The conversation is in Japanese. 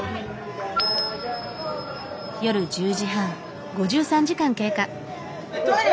夜１０時半。